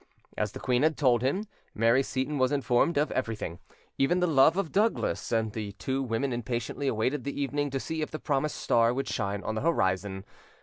As the queen had told him, Mary Seyton was informed of everything, even the love of Douglas, and, the two women impatiently awaited the evening to see if the promised star would shine on the horizon.